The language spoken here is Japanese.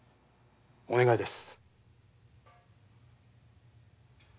お願いです。